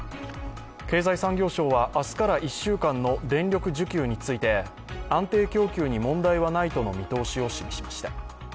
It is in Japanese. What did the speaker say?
経済産業省は明日から１週間の電力需給について安定供給に問題はないとの見通しを示しました。